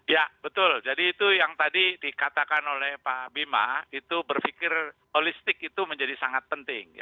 ya betul jadi itu yang tadi dikatakan oleh pak bima itu berpikir holistik itu menjadi sangat penting